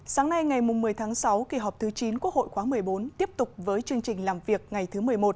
sáng nay ngày một mươi tháng sáu kỳ họp thứ chín quốc hội khóa một mươi bốn tiếp tục với chương trình làm việc ngày thứ một mươi một